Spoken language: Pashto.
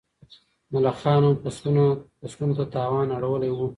ملخانو فصلونو ته تاوان اړولی و.